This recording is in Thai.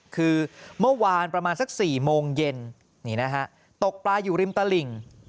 คือเมื่อวานประมาณสัก๔โมงเย็นตกปลาอยู่ริมตะหลิง